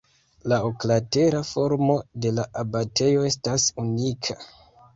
La oklatera formo de la abatejo estas unika.